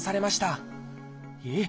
えっ？